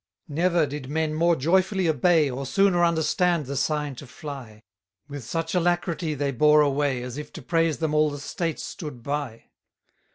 193 Never did men more joyfully obey, Or sooner understood the sign to fly: With such alacrity they bore away, As if to praise them all the States stood by.